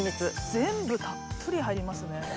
全部たっぷり入りますね。